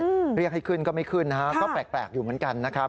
เรียกให้ขึ้นก็ไม่ขึ้นนะฮะก็แปลกแปลกอยู่เหมือนกันนะครับ